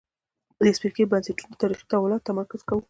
په دې څپرکي کې بنسټونو تاریخي تحولاتو تمرکز کوو.